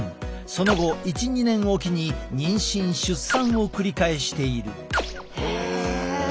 その後１２年置きに妊娠出産を繰り返している。